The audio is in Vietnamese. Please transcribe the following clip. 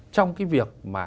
trong cái việc mà